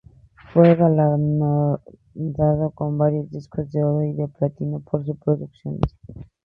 Fue galardonado con varios discos de oro y de platino por sus producciones.